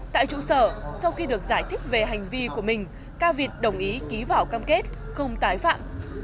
tại trụ sở sau khi được giải thích về hành vi của mình cao việt đồng ý ký vào cam kết không tái phạm